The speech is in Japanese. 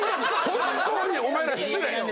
本当にお前ら失礼！